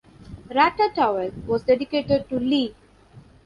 Ratatouille, was dedicated to Lee.